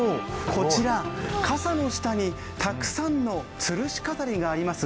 こちら、傘の下にたくさんのつるし飾りがあります。